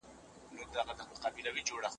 نړیوال قوانین ضامن دي.